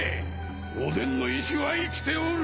おでんの意志は生きておる。